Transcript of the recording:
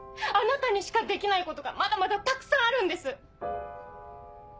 あなたにしかできないことがまだまだたくさんあるんです！